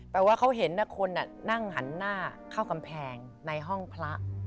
ว่าเขาเห็นคนนั่งหันหน้าเข้ากำแพงในห้องพระ